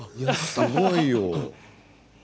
すごいよ。